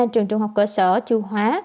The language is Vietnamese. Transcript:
trường trung học cơ sở chưu hóa